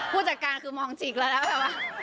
ผู้จัดการคือมองจริงหรืออะไรแบบว่า